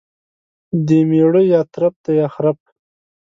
دميړه يا ترپ دى يا خرپ.